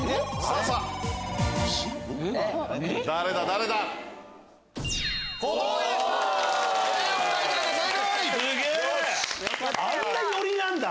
あんな寄りなんだ。